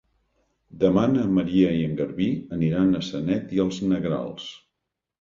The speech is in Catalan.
Demà na Maria i en Garbí aniran a Sanet i els Negrals.